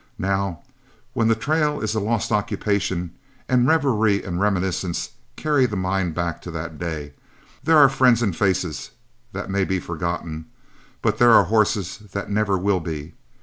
Now, when the trail is a lost occupation, and reverie and reminiscence carry the mind back to that day, there are friends and faces that may he forgotten, but there are horses that never will be.